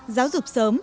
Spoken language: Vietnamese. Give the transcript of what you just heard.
giáo dục sớm